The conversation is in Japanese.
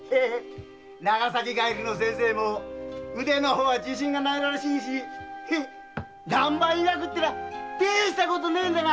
長崎帰りの先生も腕の方は自信がないらしいし南蛮医学ってのはてえしたことはねえんだな。